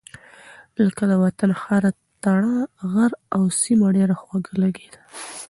لکه : د وطن هره تړه غر او سيمه ډېره خوږه لګېده.